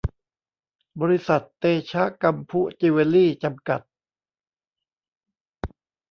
บริษัท เตชะกำพุจิวเวลรี่ จำกัด